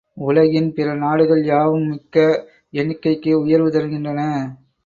உலகின் பிற நாடுகள் யாவும் மிக்க எண்ணிக்கைக்கு உயர்வு தருகின்றன.